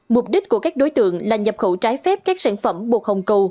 mục đích của các đối tượng là nhập khẩu trái phép các sản phẩm bột hồng cầu